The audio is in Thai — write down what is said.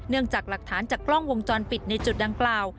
จากหลักฐานจากกล้องวงจรปิดในจุดดังกล่าว